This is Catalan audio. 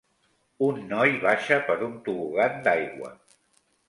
Un noi baixa per un tobogan d'aigua.